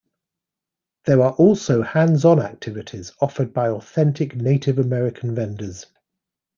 There are also hands-on activities offered by authentic Native American vendors.